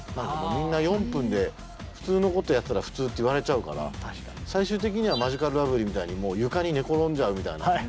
みんな４分で普通のことをやってたら普通って言われちゃうから最終的にはマヂカルラブリーみたいにもう床に寝転んじゃうみたいな。